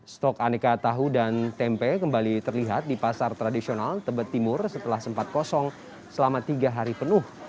stok aneka tahu dan tempe kembali terlihat di pasar tradisional tebet timur setelah sempat kosong selama tiga hari penuh